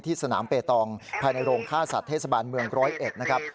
ที่สนามเปตองภายในโรงฆ่าสัตว์เทศบาลเมือง๑๐๑นะครับ